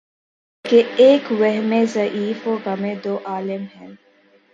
کہ ایک وہمِ ضعیف و غمِ دوعالم ہے